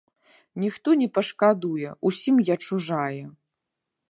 Ніхто не пашкадуе, усім я чужая.